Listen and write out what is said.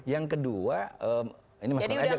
yang kedua ini mas mbak naya jaga bahan dia